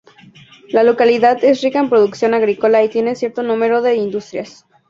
La localidad es rica en producción agrícola y tiene cierto número de industrias.